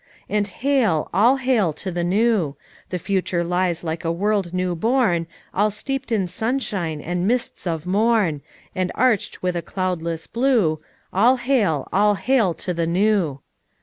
"And hail, all hail to the New! The future lies like a world new born FOUK MOTHERS AT CHAUTAUQUA 283 All steeped in sunshine and mists of morn, And arched with a cloudless blue, All hail, all hail to the New!